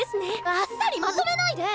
あっさりまとめないで！